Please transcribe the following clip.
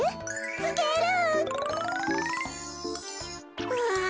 つける！わ。